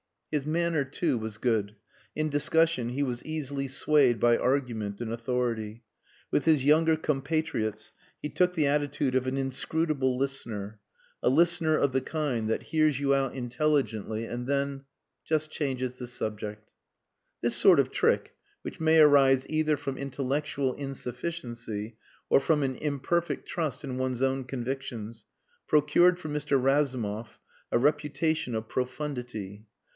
His manner, too, was good. In discussion he was easily swayed by argument and authority. With his younger compatriots he took the attitude of an inscrutable listener, a listener of the kind that hears you out intelligently and then just changes the subject. This sort of trick, which may arise either from intellectual insufficiency or from an imperfect trust in one's own convictions, procured for Mr. Razumov a reputation of profundity.